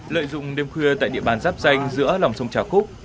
lợi dụng đêm khuya tại địa bàn giáp danh giữa lòng sông trà khúc